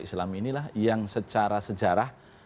islam inilah yang secara sejarah